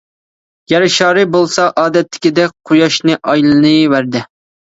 يەر شارى بولسا ئادەتتىكىدەك قۇياشنى ئايلىنىۋەردى.